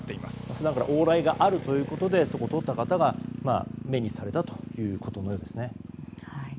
普段から往来があるということで通った方が目にされたということですね。